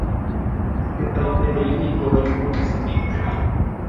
hetaitereíniko roiko asymi